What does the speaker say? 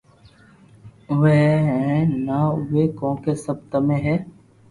آوي ھي ھين نھ آوئي ڪونڪھ سب تمي ھي